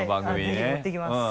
はいぜひ持ってきます。